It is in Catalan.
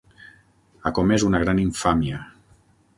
Ha comès una gran infàmia.